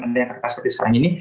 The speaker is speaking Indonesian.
ada yang kertas seperti sekarang ini